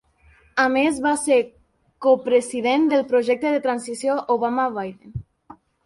A més, va ser copresident del Projecte de Transició Obama-Biden.